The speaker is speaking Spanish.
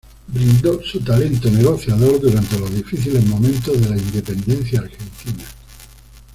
Brindó su talento negociador durante los difíciles momentos de la Independencia Argentina.